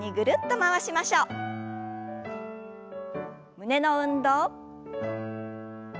胸の運動。